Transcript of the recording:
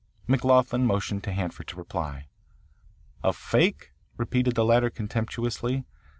McLoughlin motioned to Hanford to reply. "A fake?" repeated the latter contemptuously.